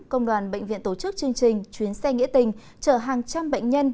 công đoàn bệnh viện tổ chức chương trình chuyến xe nghĩa tình chở hàng trăm bệnh nhân